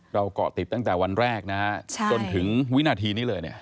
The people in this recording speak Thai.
เกาะติดตั้งแต่วันแรกนะฮะจนถึงวินาทีนี้เลยเนี่ย